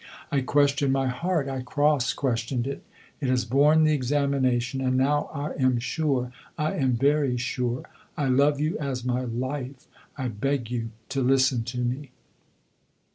I questioned my heart I cross questioned it. It has borne the examination, and now I am sure. I am very sure. I love you as my life I beg you to listen to me!"